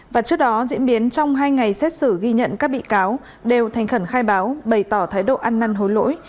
và trước đó diễn biến trong hai ngày xét xử ghi nhận các bị cáo đều thành khẩn khai báo bày tỏ thái độ ăn năn hối lỗi